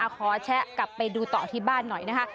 แชะกลับไปดูต่อที่บ้านหน่อยนะคะ